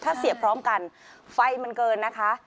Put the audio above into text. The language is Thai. ถ้าเสียบพร้อมกันไฟมันเกินนะคะ